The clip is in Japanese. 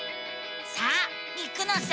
さあ行くのさ！